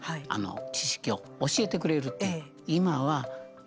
知識を教えてくれるっていう。